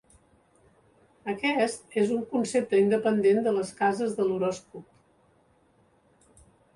Aquest és un concepte independent de les cases de l"horòscop.